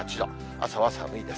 朝は寒いです。